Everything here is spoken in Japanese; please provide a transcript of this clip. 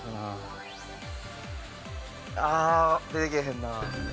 ああ出てけえへんな。